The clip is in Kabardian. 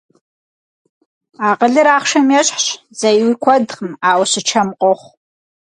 Акъылыр ахъшэм ещхьщ, зэи уи куэдкъым, ауэ щычэм къохъу.